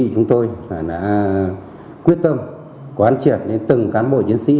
chúng tôi đã quyết tâm quán triệt đến từng cán bộ chiến sĩ